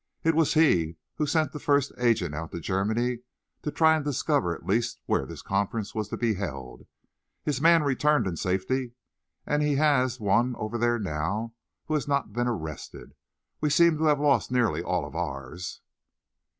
It was he who sent the first agent out to Germany, to try and discover at least where this conference was to be held. His man returned in safety, and he has one over there now who has not been arrested. We seem to have lost nearly all of ours."